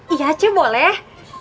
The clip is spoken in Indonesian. iya ce boleh